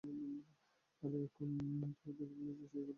আর এখন এতো কিছু দেখি ফেলেছি যে গল্পের উপর থেকে বিশ্বাস উঠে গেছে।